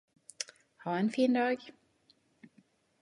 Ha ein fin dag!